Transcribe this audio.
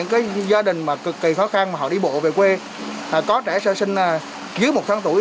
cái gia đình mà cực kỳ khó khăn mà họ đi bộ về quê họ có trẻ sơ sinh dưới một tháng tuổi